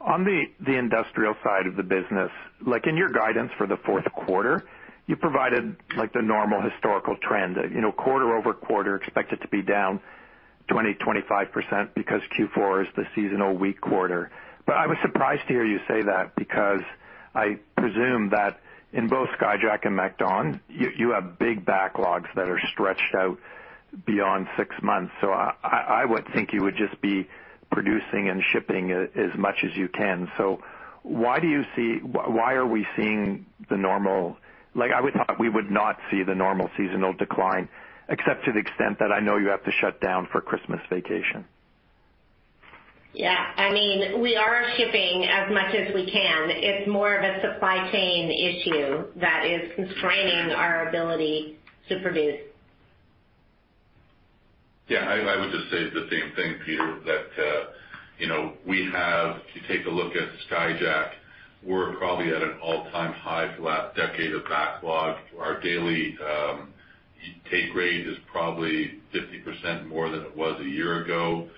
on the industrial side of the business, like in your guidance for the fourth quarter, you provided like the normal historical trend. You know, quarter-over-quarter, expect it to be down 20%-25% because Q4 is the seasonal weak quarter. I was surprised to hear you say that because I presume that in both Skyjack and MacDon, you have big backlogs that are stretched out beyond six months. I would think you would just be producing and shipping as much as you can. Why are we seeing the normal, like I would thought we would not see the normal seasonal decline, except to the extent that I know you have to shut down for Christmas vacation. Yeah. I mean, we are shipping as much as we can. It's more of a supply chain issue that is constraining our ability to produce. Yeah, I would just say the same thing, Peter, that you know, we have to take a look at Skyjack. We're probably at an all-time high for the last decade of backlog. Our daily take rate is probably 50% more than it was a year ago.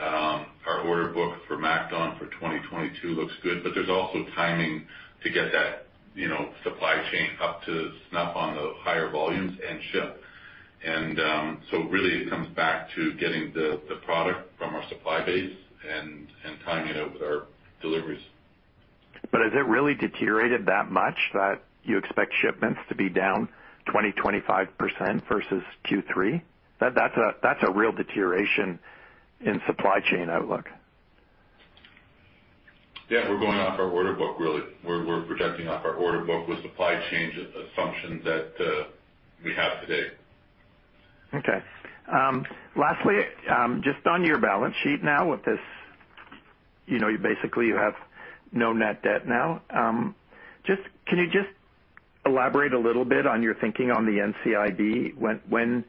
Our order book for MacDon for 2022 looks good, but there's also timing to get that, you know, supply chain up to snuff on the higher volumes and ship. Really it comes back to getting the product from our supply base and timing it with our deliveries. Has it really deteriorated that much that you expect shipments to be down 20%-25% versus Q3? That's a real deterioration in supply chain outlook. Yeah, we're going off our order book, really. We're projecting off our order book with supply chain assumption that we have today. Okay. Lastly, just on your balance sheet now with this, you know, basically you have no net debt now. Can you just elaborate a little bit on your thinking on the NCIB, when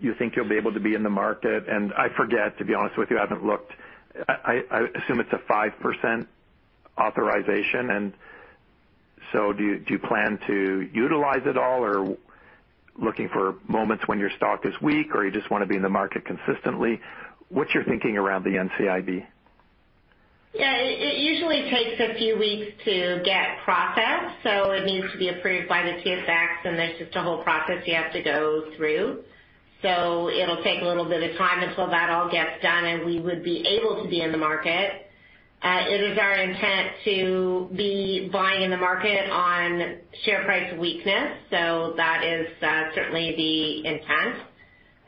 you think you'll be able to be in the market? And I forget, to be honest with you, I haven't looked. I assume it's a 5% authorization. And so do you plan to utilize it all or looking for moments when your stock is weak or you just wanna be in the market consistently? What's your thinking around the NCIB? Yeah, it usually takes a few weeks to get processed, so it needs to be approved by the TSX, and there's just a whole process you have to go through. It'll take a little bit of time until that all gets done and we would be able to be in the market. It is our intent to be buying in the market on share price weakness. That is certainly the intent.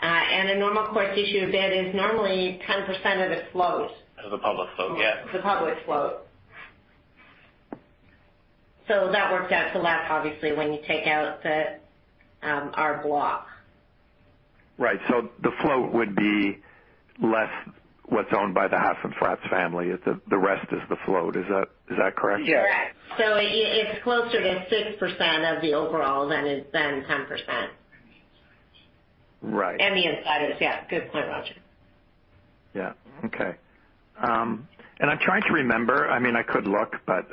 A normal course issuer bid is normally 10% of the float. Of the public float, yeah. The public float. That works out to less, obviously, when you take out the, our block. Right. The float would be less what's owned by the Hasenfratz family. The rest is the float. Is that correct? Correct. It's closer to 6% of the overall than it's been 10%. Right. The insiders, yeah. Good point, Roger. Yeah. Okay. I'm trying to remember, I mean, I could look, but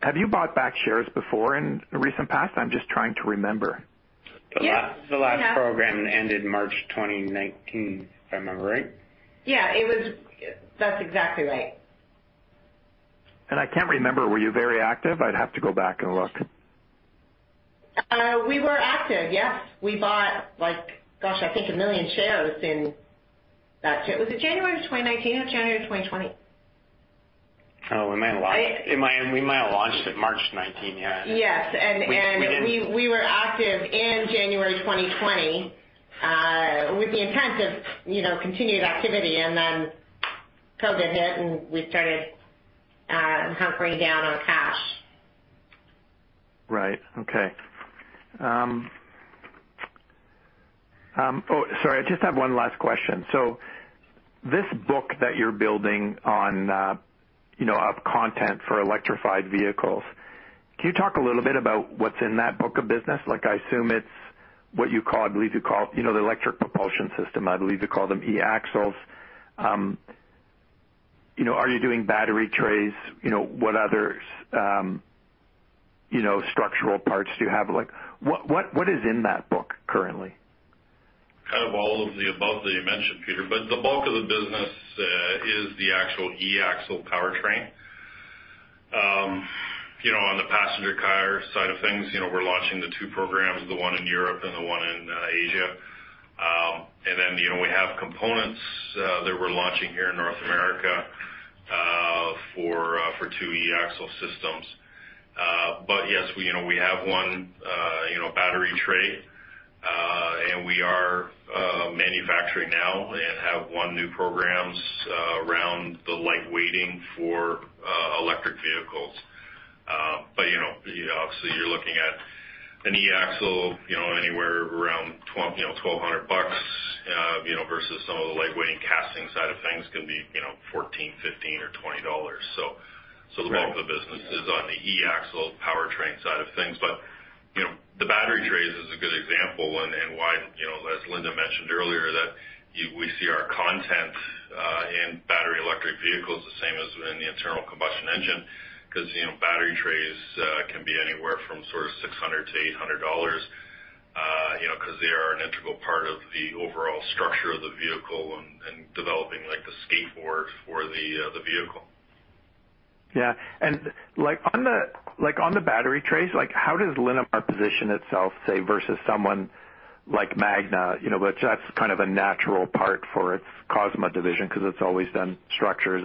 have you bought back shares before in the recent past? I'm just trying to remember. Yes. The last program ended March 2019, if I remember right. Yeah. That's exactly right. I can't remember, were you very active? I'd have to go back and look. We were active, yes. We bought like, gosh, I think a million shares in that. Was it January of 2019 or January of 2020? We might have launched it March 19, yeah. Yes. We were active in January 2020, with the intent of, you know, continued activity and then COVID hit, and we started hunkering down on cash. Right. Okay. Sorry, I just have one last question. This book that you're building on, you know, of content for electrified vehicles, can you talk a little bit about what's in that book of business? Like, I assume it's what you call, I believe you call, you know, the electric propulsion system. I believe you call them e-axles. You know, are you doing battery trays? You know, what other, you know, structural parts do you have? Like, what is in that book currently? Kind of all of the above that you mentioned, Peter. The bulk of the business is the actual eAxle powertrain. You know, on the passenger car side of things, you know, we're launching the two programs, the one in Europe and the one in Asia. Then, you know, we have components that we're launching here in North America for two eAxle systems. Yes, you know, we have one battery tray, and we are manufacturing now and have won new programs around the light weighting for electric vehicles. You know, obviously you're looking at an eAxle anywhere around 1,200 bucks versus some of the light weighting casting side of things can be 14, 15 or 20 dollars. The bulk of the business is on the eAxle powertrain side of things. You know, the battery trays is a good example and why, you know, as Linda mentioned earlier, that we see our content in battery electric vehicles the same as in the internal combustion engine because, you know, battery trays can be anywhere from sort of $600-$800, you know, because they are an integral part of the overall structure of the vehicle and developing like the skateboard for the vehicle. On the battery trays, how does Linamar position itself, say, versus someone like Magna? You know, which that's kind of a natural part for its Cosma division because it's always done structures.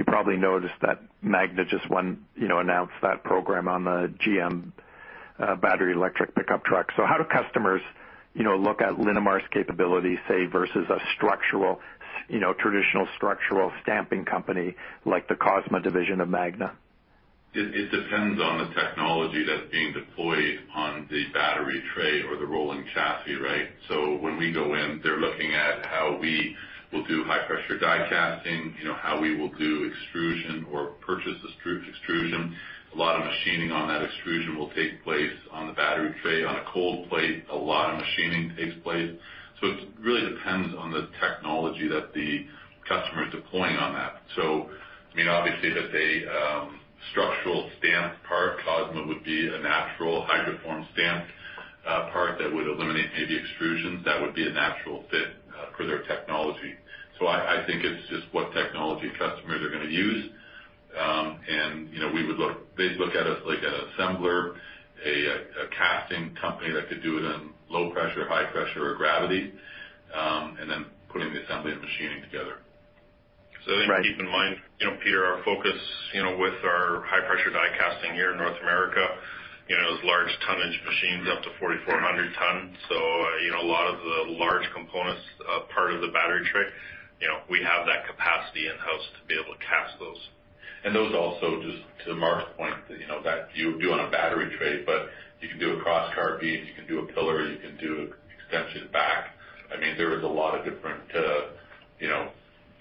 You probably noticed that Magna just won, you know, announced that program on the GM battery electric pickup truck. How do customers, you know, look at Linamar's capability, say, versus a structural, you know, traditional structural stamping company like the Cosma division of Magna? It depends on the technology that's being deployed on the battery tray or the rolling chassis, right? When we go in, they're looking at how we will do high pressure die casting, you know, how we will do extrusion or purchase extrusion. A lot of machining on that extrusion will take place on the battery tray. On a cold plate, a lot of machining takes place. It really depends on the technology that the customer is deploying on that. I mean, obviously if it's a structural stamp part, Cosma would be a natural hydroform stamp part that would eliminate maybe extrusions. That would be a natural fit for their technology. I think it's just what technology customers are gonna use. You know, they'd look at us like an assembler, a casting company that could do it in low pressure, high pressure or gravity, and then putting the assembly and machining together. Right. I think keep in mind, you know, Peter, our focus, you know, with our high pressure die casting here in North America, you know, is large tonnage machines up to 4,400 tons. You know, a lot of the large components, part of the battery tray, you know, we have that capacity in-house to be able to cast those. And those also, just to Mark's point, you know, that you do on a battery tray, but you can do a crosscar beam, you can do a pillar, you can do extension back. I mean, there is a lot of different, you know,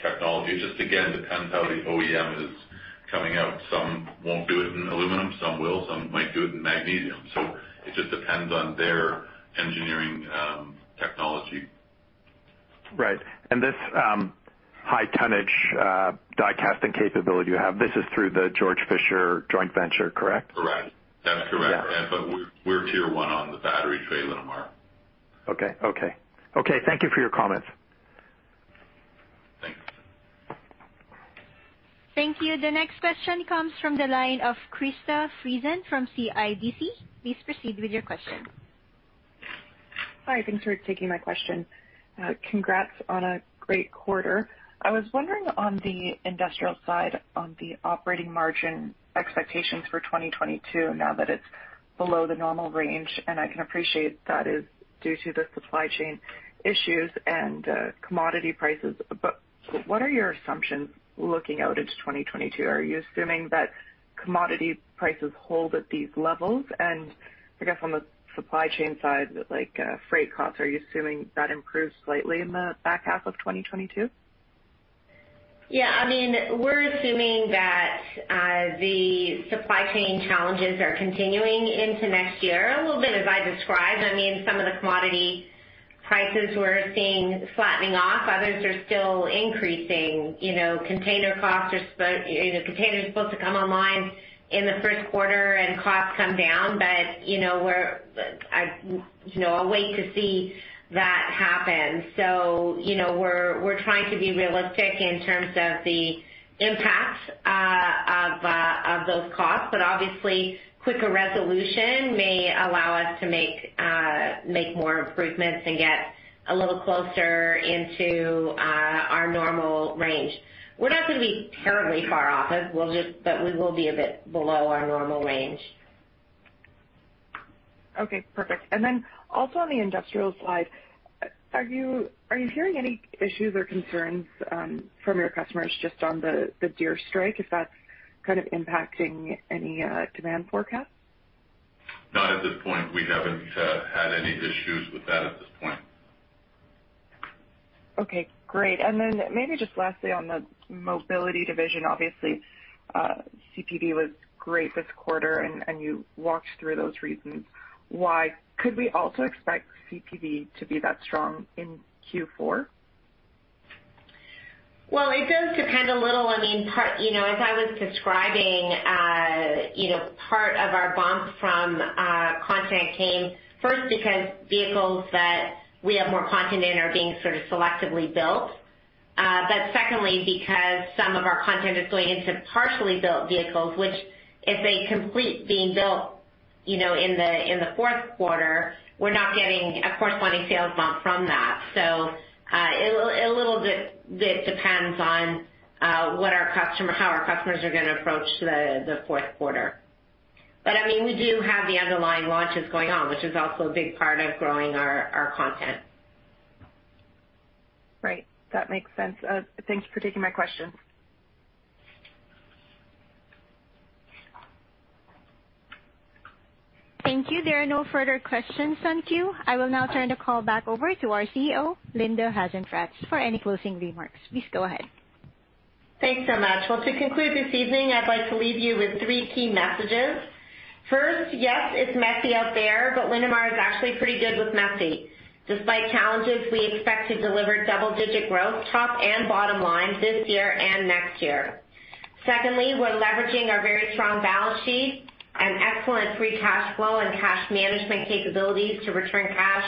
technology. Just again, depends how the OEM is coming out. Some won't do it in aluminum, some will, some might do it in magnesium. It just depends on their engineering, technology. Right. This high tonnage die casting capability you have, this is through the Georg Fischer joint venture, correct? Correct. That's correct. Yeah. We're tier one on the battery tray at Linamar. Okay, thank you for your comments. Thanks. Thank you. The next question comes from the line of Krista Friesen from CIBC. Please proceed with your question. Hi, thanks for taking my question. Congrats on a great quarter. I was wondering on the industrial side, on the operating margin expectations for 2022 now that it's below the normal range, and I can appreciate that is due to the supply chain issues and commodity prices. What are your assumptions looking out into 2022? Are you assuming that commodity prices hold at these levels? I guess on the supply chain side, like, freight costs, are you assuming that improves slightly in the back half of 2022? I mean, we're assuming that the supply chain challenges are continuing into next year a little bit as I described. I mean, some of the commodity prices we're seeing flattening off, others are still increasing. You know, container costs are supposed to come online in the first quarter and costs come down. You know, we're trying to be realistic in terms of the impact of those costs, but obviously quicker resolution may allow us to make more improvements and get a little closer into our normal range. We're not gonna be terribly far off. We will be a bit below our normal range. Okay. Perfect. Also on the industrial side, are you hearing any issues or concerns from your customers just on the Deere strike, if that's kind of impacting any demand forecasts? Not at this point. We haven't had any issues with that at this point. Okay. Great. Maybe just lastly, on the mobility division, obviously, CPV was great this quarter, and you walked through those reasons why. Could we also expect CPV to be that strong in Q4? Well, it does depend a little. I mean, part, you know, as I was describing, you know, part of our bump from content came first because vehicles that we have more content in are being sort of selectively built. But secondly, because some of our content is going into partially built vehicles, which if they complete being built, you know, in the fourth quarter, we're not getting a corresponding sales bump from that. It'll a little bit depends on what our customers are gonna approach the fourth quarter. I mean, we do have the underlying launches going on, which is also a big part of growing our content. Right. That makes sense. Thanks for taking my questions. Thank you. There are no further questions in queue. I will now turn the call back over to our CEO, Linda Hasenfratz, for any closing remarks. Please go ahead. Thanks so much. Well, to conclude this evening, I'd like to leave you with three key messages. First, yes, it's messy out there, but Linamar is actually pretty good with messy. Despite challenges, we expect to deliver double-digit growth, top and bottom line, this year and next year. Secondly, we're leveraging our very strong balance sheet and excellent free cash flow and cash management capabilities to return cash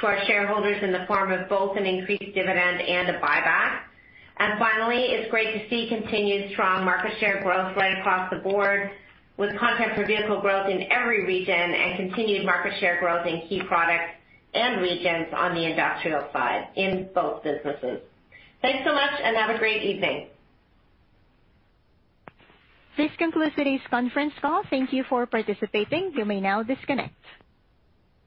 to our shareholders in the form of both an increased dividend and a buyback. Finally, it's great to see continued strong market share growth right across the board with content per vehicle growth in every region and continued market share growth in key products and regions on the industrial side in both businesses. Thanks so much and have a great evening. This concludes today's conference call. Thank you for participating. You may now disconnect.